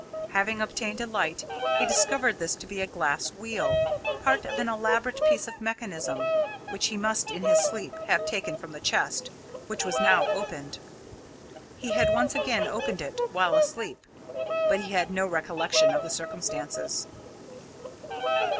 Having obtained a light, he discovered this to be a glass wheel, part of an elaborate piece of mechanism which he must in his sleep have taken from the chest, which was now opened. He had once again opened it whilst asleep, but he had no recollection of the circumstances.